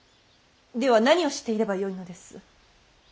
では何をしていればよいのです。